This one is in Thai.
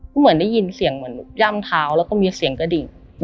ก็เหมือนได้ยินเสียงเหมือนย่ำเท้าแล้วก็มีเสียงกระดิ่ง